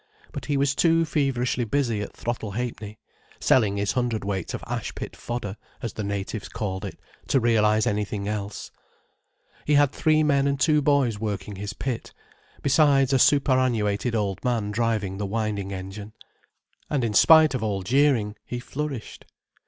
But he was too feverishly busy at Throttle Ha'penny, selling his hundredweights of ash pit fodder, as the natives called it, to realize anything else. He had three men and two boys working his pit, besides a superannuated old man driving the winding engine. And in spite of all jeering, he flourished.